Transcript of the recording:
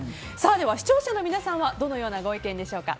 では視聴者の皆さんはどのようなご意見でしょうか。